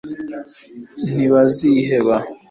ntibaziheba